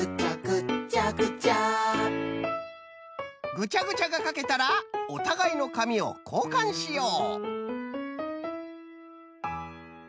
ぐちゃぐちゃがかけたらおたがいのかみをこうかんしよう。